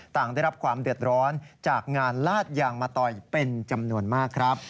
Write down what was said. ต่างได้รับความเดือดร้อนจากงานลาดยางมะตอยเป็นจำนวนมากครับ